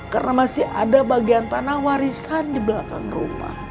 karena masih ada bagian tanah warisan di belakang rumah